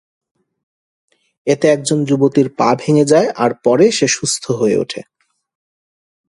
এতে একজন যুবতীর পা ভেঙে যায় আর পরে সে সুস্থ হয়ে ওঠে।